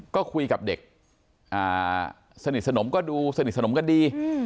ก็คุยกับเด็กสนิทสนมก็ดูสนิทสนมกันดี